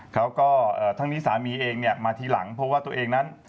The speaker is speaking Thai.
ทั้งนี้สามีเองเนี่ยมาทีหลังเพราะว่าตัวเองนั้น